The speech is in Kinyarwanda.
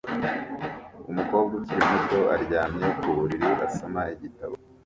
Umukobwa ukiri muto aryamye ku buriri asoma igitabo